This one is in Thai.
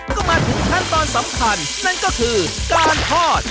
ก็มาถึงขั้นตอนสำคัญนั่นก็คือการทอด